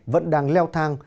vẫn đang leo tầm